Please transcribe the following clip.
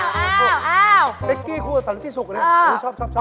เจ้าเบ๊กกี้ครูสำคัญที่สุขเลยเจ้าชอบ